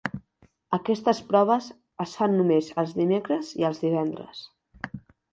Aquestes proves es fan només els dimecres i els divendres.